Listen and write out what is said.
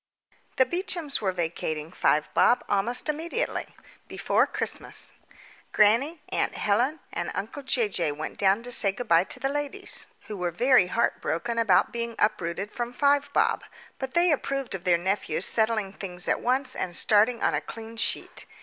The Beechams were vacating Five Bob almost immediately before Christmas. Grannie, aunt Helen, and uncle Jay Jay went down to say good bye to the ladies, who were very heartbroken about being uprooted from Five Bob, but they approved of their nephew settling things at once and starting on a clean sheet.